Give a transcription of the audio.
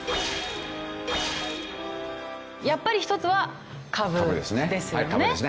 やっぱり一つは株ですよね。